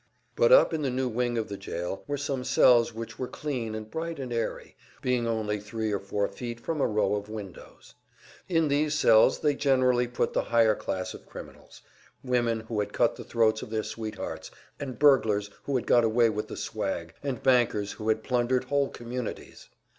But up in the new wing of the jail were some cells which were clean and bright and airy, being only three or four feet from a row of windows. In these cells they generally put the higher class of criminals women who had cut the throats of their sweethearts, and burglars who had got I away with the swag, and bankers who had plundered whole communities.